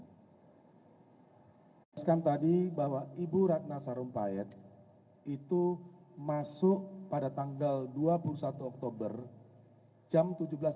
dikasihkan tadi bahwa ibu ratna sarumpahit itu masuk pada tanggal dua puluh satu oktober jam tujuh belas